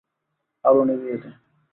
আলো নিভিয়ে দে।